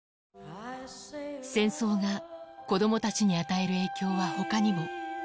戦争が子どもたちに与える影響はほかにも。